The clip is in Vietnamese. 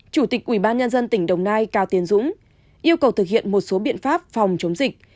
chủ tịch ubnd tỉnh đồng nai cao tiến dũng yêu cầu thực hiện một số biện pháp phòng chống dịch